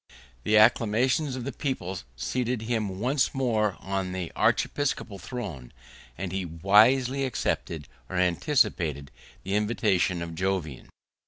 The acclamations of the people seated him once more on the archiepiscopal throne; and he wisely accepted, or anticipated, the invitation of Jovian.